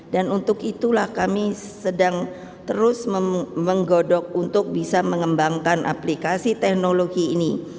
dan untuk itulah kami sedang terus menggodok untuk bisa mengembangkan aplikasi teknologi ini